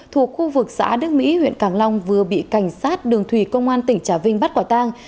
thuộc khu vực xã đức mỹ huyện càng long vừa bị cảnh sát đường thủy công an tỉnh trà vinh bắt quả tang